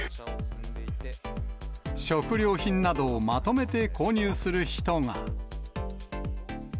食料品などをまとめて購入する人が。